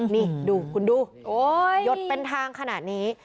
นี่ดูคุณดูหยดเป็นทางขนาดนี้